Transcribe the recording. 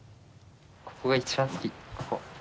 ここが一番好きここ。